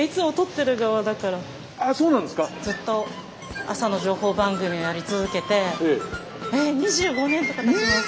ずっと朝の情報番組をやり続けてえっ２５年とかたちます。